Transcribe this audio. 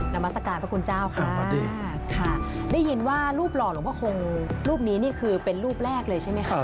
นามัศกาลพระคุณเจ้าค่ะได้ยินว่ารูปหล่อหลวงพระคงรูปนี้นี่คือเป็นรูปแรกเลยใช่ไหมคะ